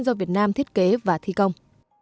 do việt nam thiết kế và thi công